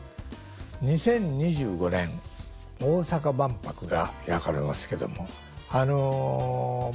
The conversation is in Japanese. ２０２５年大阪万博が開かれますけども大阪万博ＥＸＰＯ